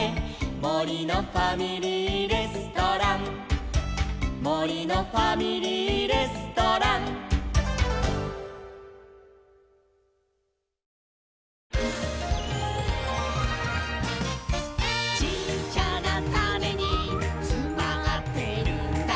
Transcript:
「もりのファミリーレストラン」「もりのファミリーレストラン」「ちっちゃなタネにつまってるんだ」